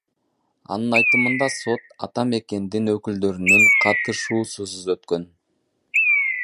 Анын айтымында, сот Ата Мекендин өкүлдөрүнүн катышуусусуз өткөн.